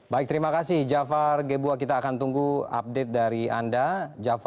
baik terima kasih jafar gebuah kita akan tunggu update dari anda jafar